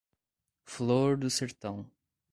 Flor do Sertão